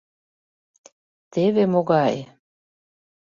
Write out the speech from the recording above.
Теве могай?..